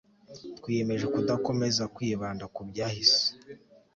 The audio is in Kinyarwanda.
twiyemeje kudakomeza kwibanda ku byahise